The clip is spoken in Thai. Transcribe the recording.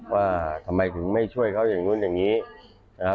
ว่าทำไมถึงไม่ช่วยเขาอย่างนู้นอย่างนี้นะครับ